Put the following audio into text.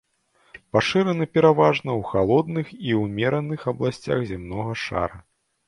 Пашыраны пераважна ў халодных і ўмераных абласцях зямнога шара.